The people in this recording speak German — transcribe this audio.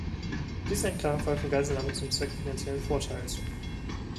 Dies ist ein klarer Fall von Geiselnahme zum Zwecke finanziellen Vorteils.